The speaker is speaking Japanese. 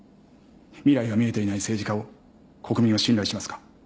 未来が見えていない政治家を国民は信頼しますか。